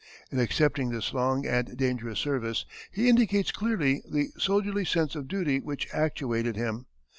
In accepting this long and dangerous service, he indicates clearly the soldierly sense of duty which actuated him.